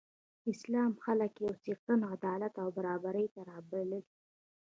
اسلام خلک یو څښتن، عدالت او برابرۍ ته رابلل.